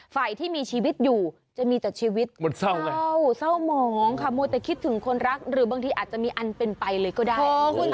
ฝ่ายที่มีชีวิตอยู่จะมีแต่ชีวิตเศร้าเศร้าหมองค่ะมัวแต่คิดถึงคนรักหรือบางทีอาจจะมีอันเป็นไปเลยก็ได้